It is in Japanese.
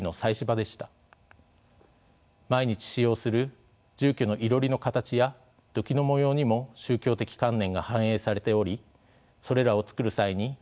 毎日使用する住居のいろりの形や土器の模様にも宗教的観念が反映されておりそれらを作る際に意味が受け継がれます。